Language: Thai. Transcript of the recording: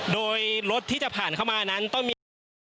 โดยรถที่จะผ่านเข้ามานั้นต้องมีการ